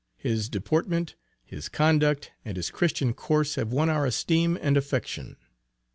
His deportment, his conduct, and his Christian course have won our esteem and affection.